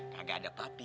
kagak ada papi